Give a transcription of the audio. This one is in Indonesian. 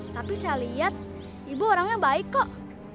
tapi saya lihat ibu orangnya baik kok